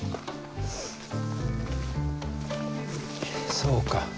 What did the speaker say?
そうか。